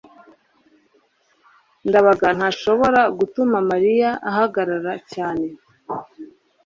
ndabaga ntashobora gutuma mariya ahagarara cyane